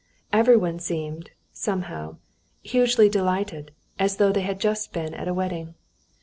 Everyone seemed, somehow, hugely delighted, as though they had just been at a wedding.